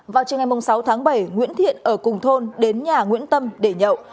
vào trường ngày sáu tháng bảy nguyễn thiện ở cùng thôn đến nhà nguyễn tâm để nhậu